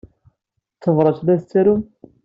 D tabṛat ay la tettarumt?